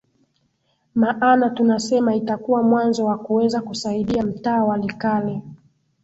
maana tunasema itakuwa mwanzo wa kuweza kusaidia mtaa wa likale